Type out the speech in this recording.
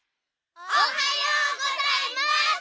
おはようございます！